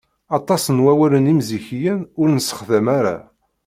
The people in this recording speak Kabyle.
Aṭas n wawalen imzikiyen ur nessexdam ara.